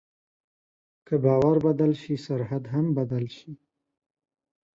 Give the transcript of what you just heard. که باور بدل شي، سرحد هم بدل شي.